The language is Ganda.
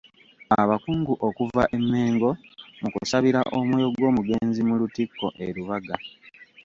Abakungu okuva e Mengo mu kusabira omwoyo gw'omugenzi mu Lutikko e Lubaga.